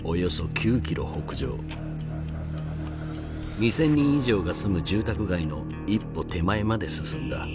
２，０００人以上が住む住宅街の一歩手前まで進んだ。